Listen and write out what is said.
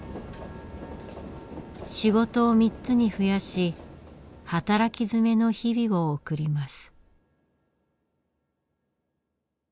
仕事を３つに増やし働き詰めの日々を送ります。